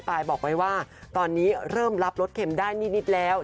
บอกไว้ว่าตอนนี้เริ่มรับรสเข็มได้นิดแล้ว